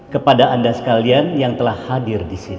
kepada anda sekalian yang telah hadir disini